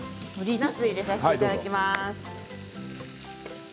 なすを入れさせていただきます。